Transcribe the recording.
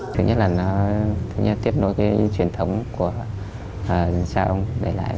thứ nhất là nó tiếp nối cái truyền thống của cháu để lại